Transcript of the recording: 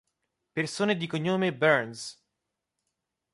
Persone di cognome Burns